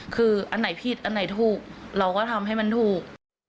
คืออันไหนผิดอันไหนถูกเราก็ทำให้มันถูก